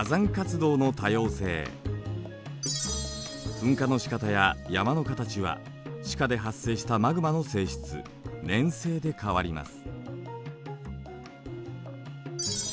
噴火のしかたや山の形は地下で発生したマグマの性質粘性で変わります。